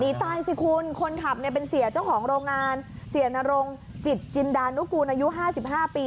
หนีตายสิคุณคนขับเนี่ยเป็นเสียเจ้าของโรงงานเสียนรงจิตจินดานุกูลอายุ๕๕ปี